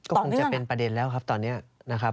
ก็คงจะเป็นประเด็นแล้วครับตอนนี้นะครับ